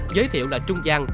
giới thiệu là trung giang